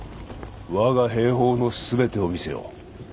我が兵法の全てを見せよう。